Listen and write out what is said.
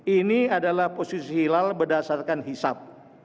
ini adalah posisi hilal berdasarkan hisap